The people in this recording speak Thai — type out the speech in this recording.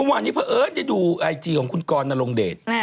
เมื่อวานนี้เผอร์เอิร์ทจะดูไอจีของคุณกรณ์ลงเดท